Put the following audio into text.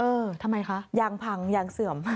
เออทำไมคะยางพังยางเสื่อม